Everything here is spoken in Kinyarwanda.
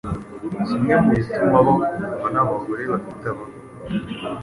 kimwe mu bituma bakundwa n’abagore bafite abagabo.